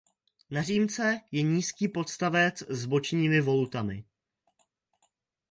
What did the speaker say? Na římse je nízký podstavec s bočními volutami.